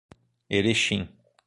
Erechim